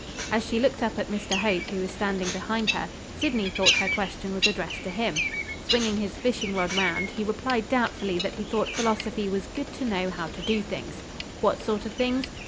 As she looked up at Mr Hope, who was standing behind her, Sydney thought her question was addressed to him. Swinging his fishing rod round, he replied doubtfully that he thought philosophy was good to know how to do things. What sort of things?